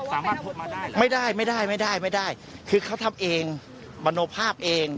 สามารถพบมาได้ไม่ได้ไม่ได้คือเขาทำเองบรรโนภาพเอง